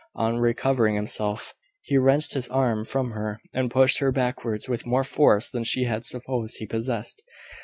On recovering himself; he wrenched his arm from her, and pushed her backwards with more force than she had supposed he possessed.